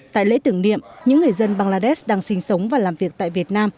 tại lễ tưởng niệm những người dân bangladesh đang sinh sống và làm việc tại việt nam